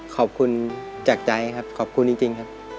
ขอบคุณจากใจครับขอบคุณจริงครับ